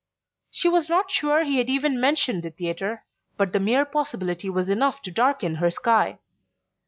She was not sure he had even mentioned the theatre, but the mere possibility was enough to darken her sky.